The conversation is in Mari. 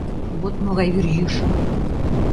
Вот могай вӱрйӱшӧ!